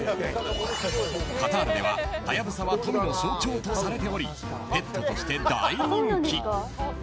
カタールでは、ハヤブサは富の象徴とされておりペットとして大人気。